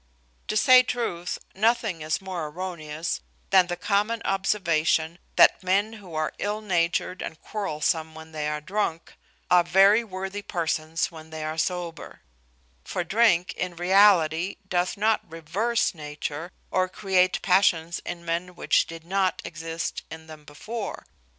To say truth, nothing is more erroneous than the common observation, that men who are ill natured and quarrelsome when they are drunk, are very worthy persons when they are sober: for drink, in reality, doth not reverse nature, or create passions in men which did not exist in them before.